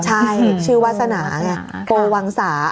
ใช่ชื่อวาสนาไงโกวังสา